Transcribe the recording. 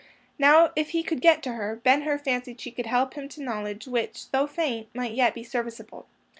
Now, if he could get to her, Ben Hur fancied she could help him to knowledge which, though faint, might yet be serviceable.